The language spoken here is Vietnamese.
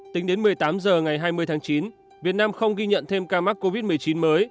tính đến một mươi tám h ngày hai mươi tháng chín việt nam không ghi nhận thêm ca mắc covid một mươi chín mới